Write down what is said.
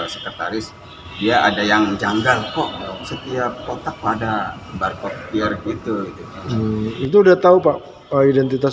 sekretaris dia ada yang janggal kok setiap kotak pada bar kok kier gitu itu udah tahu pak identitas